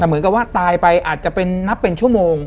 แต่เหมือนกับว่าตายไปอาจจะเป็นนับเป็นชั่วโมง